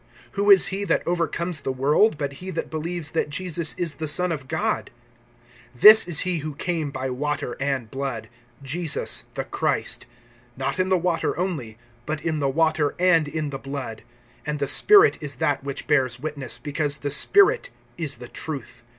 (5)Who is he that overcomes the world, but he that believes that Jesus is the Son of God? (6)This is he who came by water and blood, Jesus the Christ; not in the water only, but in the water and in the blood. And the Spirit is that which bears witness, because the Spirit is the truth.